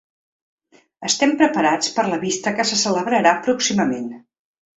Estem preparats per la vista que se celebrarà pròximament.